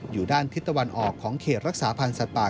อยู่ด้านทิศตะวันออกของเขตรักษาพันธ์สัตว์ป่า